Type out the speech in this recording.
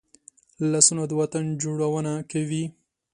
لاسونه د وطن جوړونه کوي